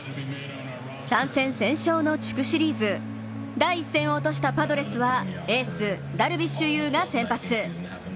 ３戦先勝の地区シリーズ、第１戦を落としたパドレスはエース・ダルビッシュ有が先発。